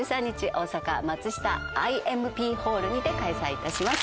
大阪松下ＩＭＰホールにて開催いたします。